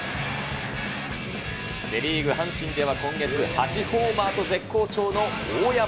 セ・リーグ・阪神では今月８ホーマーと絶好調の大山。